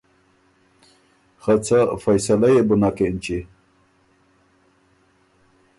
خه څه فیصلۀ يې بو نک اېنچی۔